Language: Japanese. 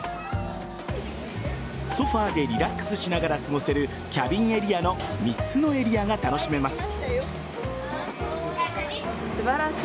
ソファーでリラックスしながら過ごせるキャビンエリアの３つのエリアが楽しめます。